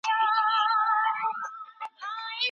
پیچکارۍ چېري لګول کیږي؟